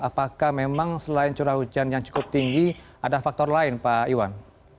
apakah memang selain curah hujan yang cukup tinggi ada faktor lain pak iwan